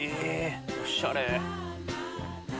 おしゃれ！